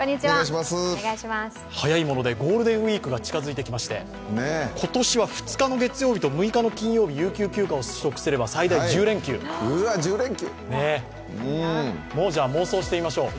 早いものでゴールデンウイークが近付いてきまして今年は２日の月曜日と６日の金曜日、有給休暇を取得すれば最大１０連休。妄想してみましょう。